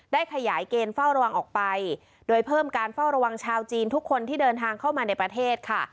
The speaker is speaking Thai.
ขยายเกณฑ์เฝ้าระวังออกไปโดยเพิ่มการเฝ้าระวังชาวจีนทุกคนที่เดินทางเข้ามาในประเทศค่ะ